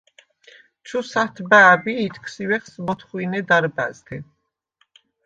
– ჩუ ს’ათბა̄̈ბ ი ითქს ი უ̂ეჴს მ’ოთხუ̂ინე დარბა̈ზთე.